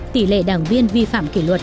tỷ lệ đảng viên vi phạm kỷ luật